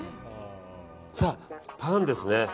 さあ、パンですね。